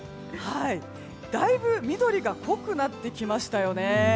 だいぶ緑が濃くなってきましたよね。